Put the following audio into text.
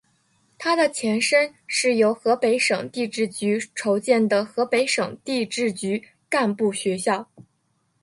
他的前身是由河北省地质局筹建的河北省地质局干部学校。